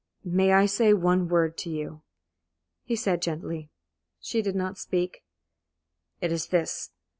"May I say one word to you?" he said, gently. She did not speak. "It is this.